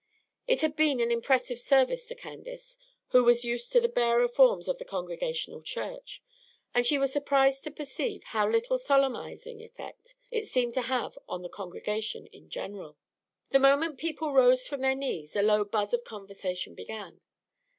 It had been an impressive service to Candace, who was used to the barer forms of the Congregational church; and she was surprised to perceive how little solemnizing effect it seemed to have on the congregation in general. The moment people rose from their knees, a low buzz of conversation began.